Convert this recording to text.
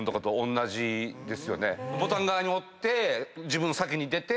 ボタン側におって自分先に出て。